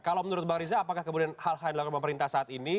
kalau menurut bang riza apakah kemudian hal hal yang dilakukan pemerintah saat ini